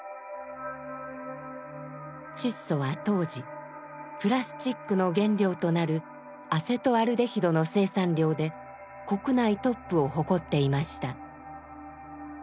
チッソは当時プラスチックの原料となるアセトアルデヒドの生産量で国内トップを誇っていました。